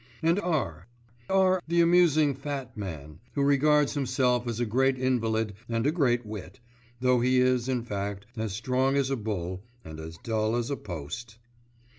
And R. R. the amusing fat man, who regards himself as a great invalid and a great wit, though he is, in fact, as strong as a bull, and as dull as a post....